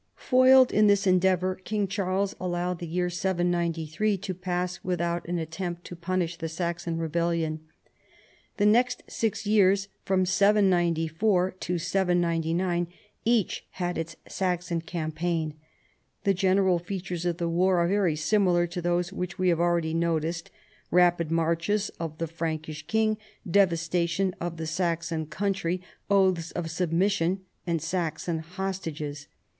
Foiled in this endeavor King Charles allowed the year 793 to pass without an attempt to punish the Saxon rebellion. The next six years (794 799) each had its Saxon campaign. The general features of the war are very similar to those which we have al ready noticed : rapid marches of the Frankish king, devastation of the Saxon country, oaths of submis sion and Saxon hostages.